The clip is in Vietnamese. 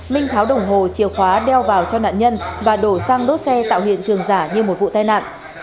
minh tháo đồng hồ chìa khóa đeo vào cho nạn nhân và đổ xăng đốt xe tạo hiện trường giả như một vụ tai nạn